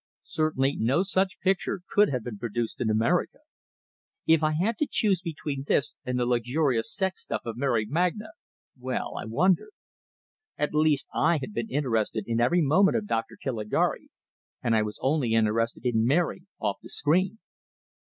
Certainly no such picture could have been produced in America! If I had to choose between this and the luxurious sex stuff of Mary Magna well, I wondered. At least, I had been interested in every moment of "Dr. Caligari," and I was only interested in Mary off the screen.